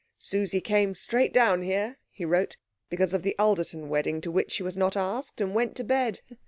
"Susie came straight down here," he wrote, "because of the Alderton wedding to which she was not asked, and went to bed.